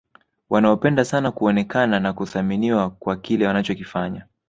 wanaopenda sana kuonekana na kuthaminiwa kwa kile wanachokifanya